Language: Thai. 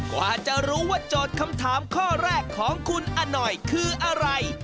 กว่าจะรู้ว่าโจทย์คำถามข้อแรกของคุณอนอยคืออะไร